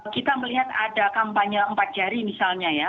kita melihat ada kampanye empat jari misalnya ya